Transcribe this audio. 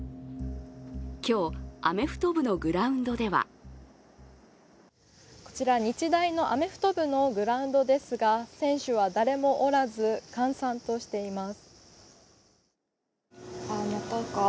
今日、アメフト部のグラウンドではこちら、日大のアメフト部のグラウンドですが、選手は誰もおらず、閑散としています。